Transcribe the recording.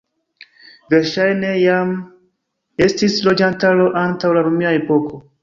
Verŝajne jam estis loĝantaro antaŭ la romia epoko.